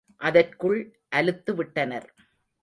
அதற்குள் அலுத்து விட்டனர்.